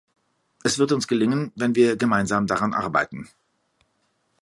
Es wird uns gelingen, wenn wir gemeinsam daran arbeiten.